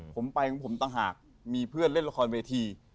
ผมไปของผมต่างหากมีเพื่อนเล่นละครเวที